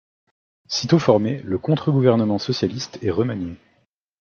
Sitôt formé, le contre-gouvernement socialiste est remanié.